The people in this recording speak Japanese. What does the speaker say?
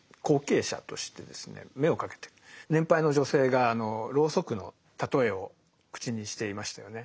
年配の女性がロウソクの例えを口にしていましたよね。